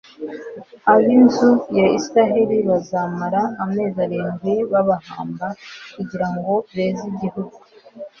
ab inzu ya isirayeli bazamara amezi arindwi babahamba kugira ngo beze igihugu